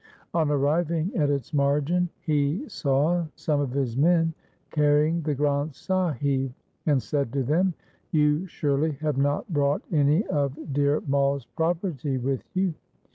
On arriving at its margin he saw some of his men carrying the Granth Sahib and said to them :' You surely have not brought any of Dhir Mai's property with you